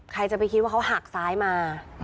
ใครจะไปคิดว่าเขาหักซ้ายมา